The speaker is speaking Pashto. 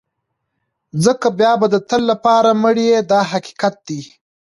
ځکه بیا به د تل لپاره مړ یې دا حقیقت دی.